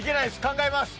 考えます。